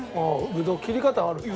ブドウ切り方あるんだ。